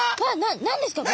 何ですか？